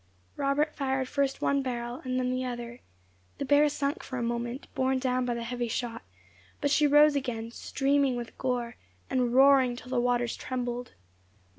Robert fired first one barrel, and then the other; the bear sunk for a moment, borne down by the heavy shot, but she rose again, streaming with gore, and roaring till the waters trembled.